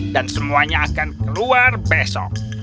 dan semuanya akan keluar besok